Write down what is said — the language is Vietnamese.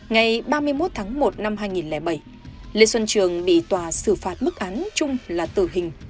ngày ba mươi một tháng một năm hai nghìn bảy lê xuân trường bị tòa xử phạt mức án chung là tử hình